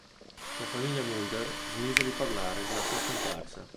La famiglia Mulder smise di parlare della sua scomparsa.